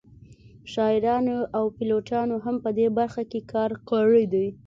شاعرانو او پیلوټانو هم په دې برخه کې کار کړی دی